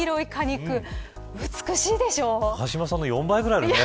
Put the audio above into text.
永島さんの４倍くらいあるね。